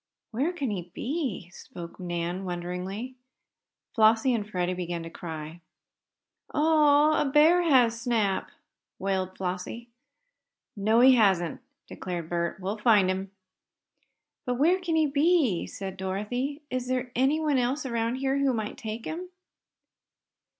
"Where can he be?" spoke Nan, wonderingly. Flossie and Freddie began to cry. "Oh, a bear has Snap!" wailed Flossie. "No, he hasn't!" declared Bert. "We'll find him." "But where can he be?" said Dorothy. "Is there anyone else around here who might take him?"